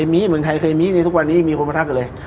เมืองไทยเคยมีเนี่ยทุกวันนี้มีคนมาทักเลย